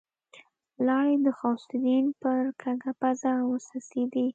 لاړې د غوث الدين پر کږه پزه وڅڅېدې.